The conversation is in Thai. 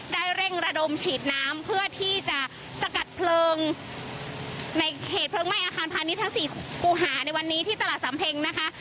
เร่งระดมฉีดน้ำเพื่อที่จะสกัดเพลิงในเขตเพลิงไหม้อาคารพาณิชย์ทั้งสี่ครูหาในวันนี้ที่ตลาดสำเพ็งนะคะ